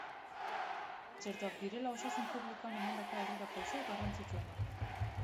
Txertoak direla osasun publikoan emandako aurrera pauso garrantzitsuena.